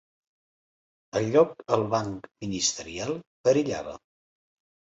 El lloc al banc ministerial perillava.